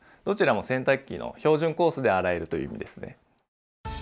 どちらも洗濯機の標準コースで洗えるという意味ですね。